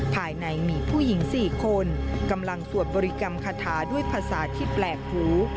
ภายในมีผู้หญิง๔คนกำลังสวดบริกรรมคาถาด้วยภาษาที่แปลกหู